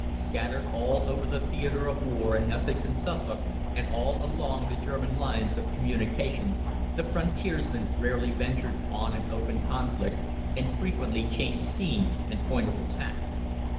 Scattered all over the theatre of war in Essex and Suffolk, and all along the German lines of communication, the "Frontiersmen" rarely ventured on an open conflict, and frequently changed scene and point of attack.